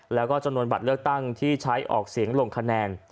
แล้วก็จำนวนบัตรเลือกตั้งที่ใช้ออกเสียงลงคะแนน